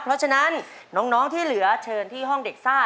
เพราะฉะนั้นน้องที่เหลือเชิญที่ห้องเด็กซ่า